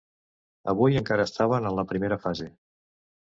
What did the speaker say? Avui encara estaven en la primera fase.